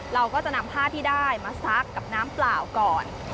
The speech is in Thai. เราก็จะนำผ้าที่ได้มาซักกับน้ำเปล่าก่อน